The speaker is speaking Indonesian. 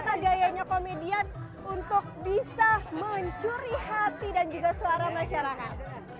apa gayanya komedian untuk bisa mencuri hati dan juga suara masyarakat